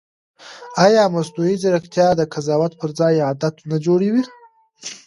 ایا مصنوعي ځیرکتیا د قضاوت پر ځای عادت نه جوړوي؟